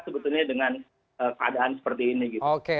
sebetulnya dengan keadaan seperti ini gitu